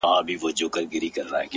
سترگي دي پټي كړه ويدېږمه زه!!